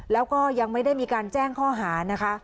แล้วก็ยังไม่ได้มีการแจ้งข้อหานะคะ